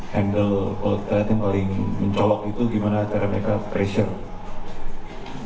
handle kalau kita lihat yang paling mencolok itu gimana cara mereka pressure